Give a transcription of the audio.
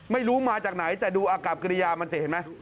ไม่รู้มาจากไหนแต่ดูอากับกิริยามันสิเห็นไหม